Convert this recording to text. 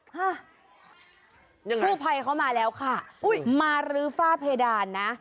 ฮะผู้ภัยเข้ามาแล้วค่ะมาลื้อฝ้าเพดานนะ